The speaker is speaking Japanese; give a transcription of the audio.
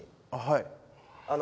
はい。